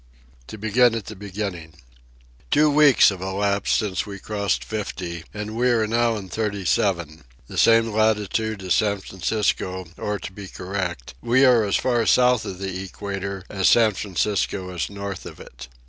To begin at the beginning. Two weeks have elapsed since we crossed 50, and we are now in 37—the same latitude as San Francisco, or, to be correct, we are as far south of the equator as San Francisco is north of it.